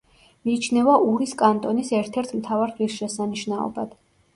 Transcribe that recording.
მიიჩნევა ურის კანტონის ერთ-ერთ მთავარ ღირსშესანიშნაობად.